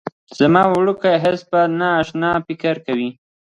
زما وړوکی اس به نا اشنا فکر کوي